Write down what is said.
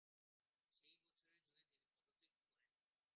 সেই বছরের জুনে তিনি পদত্যাগ করেন।